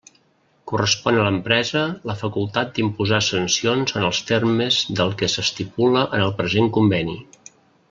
Correspon a l'empresa la facultat d'imposar sancions en els termes del que s'estipula en el present conveni.